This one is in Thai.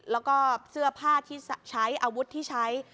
แล้วก็เสื้อผ้าที่ใช้อาวุธที่ใช้